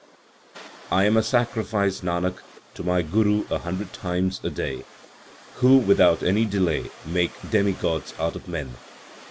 I am a sacrifice, Nanak, to my Guru a hundred times a day, Who without any delay made demigods out of men.